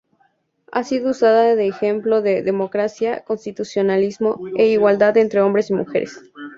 Ha sido usada de ejemplo de democracia, constitucionalismo e igualdad entre hombres y mujeres.